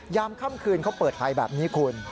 ค่ำคืนเขาเปิดไฟแบบนี้คุณ